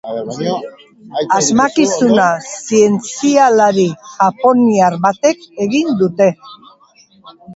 Asmakizuna zientzialari japoniar batek egin dute.